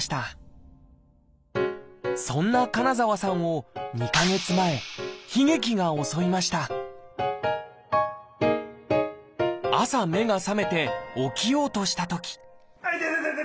そんな金澤さんを２か月前悲劇が襲いました朝目が覚めて起きようとしたとき痛い痛い痛い！